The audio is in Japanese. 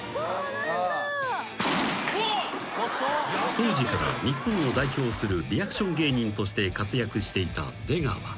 ［当時から日本を代表するリアクション芸人として活躍していた出川］